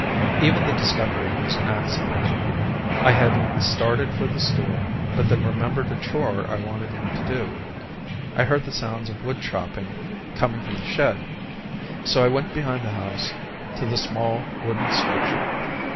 Even the discovery was an accident. I had started for the store, but then remembered a chore I wanted him to do. I heard the sounds of wood chopping coming from the shed, so I went behind the house to the small wooden structure.